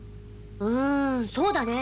うんそうだねえ。